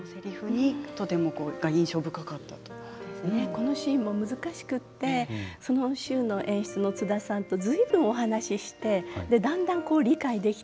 このシーンも難しくってその週の演出の津田さんと随分お話ししてだんだんこう理解できてきてああ